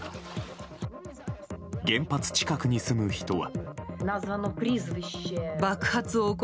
原発近くに住む人は。